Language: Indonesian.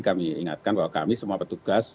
kami ingatkan bahwa kami semua petugas